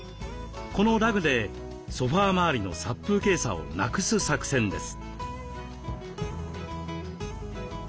このラグでソファー周りの殺風景さをなくす作戦です。